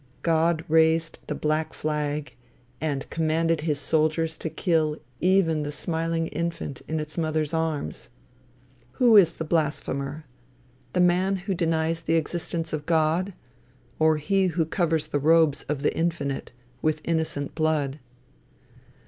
God raised the black flag, and commanded his soldiers to kill even the smiling infant in its mother's arms. Who is the blasphemer; the man who denies the existence of God, or he who covers the robes of the Infinite with innocent blood?